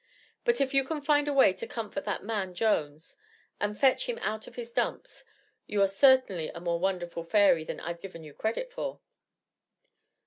But if you can find a way to comfort that man Jones, and fetch him out of his dumps, you are certainly a more wonderful fairy than I've given you credit for."